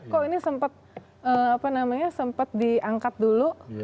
kok ini sempat diangkat dulu